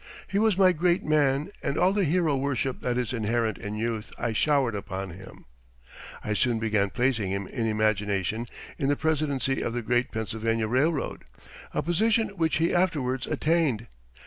He was my great man and all the hero worship that is inherent in youth I showered upon him. I soon began placing him in imagination in the presidency of the great Pennsylvania Railroad a position which he afterwards attained.